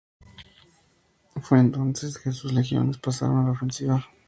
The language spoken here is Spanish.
Fue entonces que sus legiones pasaron a la ofensiva.